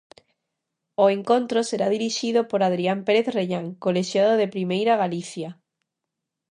O encontro será dirixido por Adrián Pérez Rellán, colexiado de primeira Galicia.